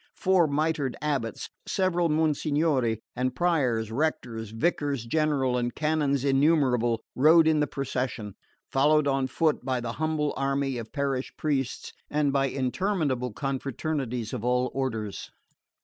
Four mitred Abbots, several Monsignori, and Priors, Rectors, Vicars general and canons innumerable rode in the procession, followed on foot by the humble army of parish priests and by interminable confraternities of all orders.